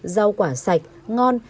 rau quả sạch ngon